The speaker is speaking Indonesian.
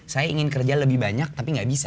saya ingin kerja lebih banyak tapi nggak bisa